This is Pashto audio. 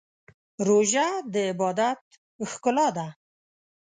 روژه د عبادت ښکلا ده.